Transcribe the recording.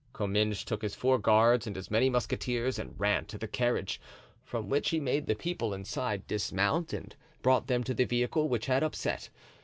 Comminges took his four guards and as many musketeers and ran to the carriage, from which he made the people inside dismount, and brought them to the vehicle which had upset.